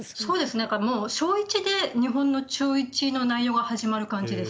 だからもう、小１で日本の中１の内容が始まる感じです。